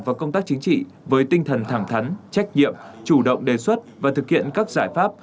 và công tác chính trị với tinh thần thẳng thắn trách nhiệm chủ động đề xuất và thực hiện các giải pháp